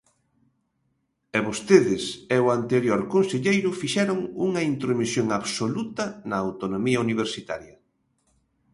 E vostedes, e o anterior conselleiro, fixeron unha intromisión absoluta na autonomía universitaria.